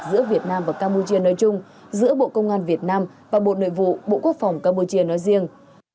giữa việt nam và campuchia nói chung giữa bộ công an việt nam và bộ nội vụ bộ quốc phòng campuchia nói riêng